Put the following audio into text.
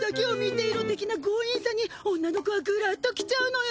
てきなごう引さに女の子はグラッと来ちゃうのよ。